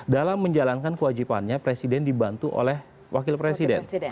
dalam menjalankan kewajibannya presiden dibantu oleh wakil presiden